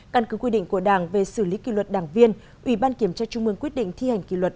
căn cứ quy định của đảng về xử lý kỳ luật đảng viên ủy ban kiểm tra trung mương quyết định thi hành kỳ luật